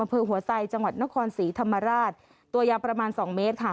อำเภอหัวไซจังหวัดนครศรีธรรมราชตัวยาวประมาณสองเมตรค่ะ